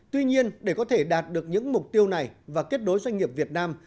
tuy nhiên để có thể đạt được những mục tiêu này và kết nối doanh nghiệp việt nam